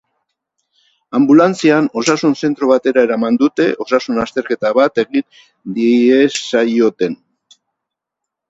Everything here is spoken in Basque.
Anbulantzian osasun zentro batera eraman dute, osasun azterketa bat egin diezaioten.